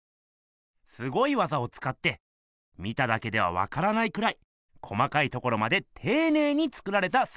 すごい技をつかって見ただけではわからないくらい細かいところまでていねいに作られた作ひんがあるんす。